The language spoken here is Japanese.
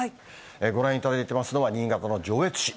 ご覧いただいていますのは、新潟の上越市。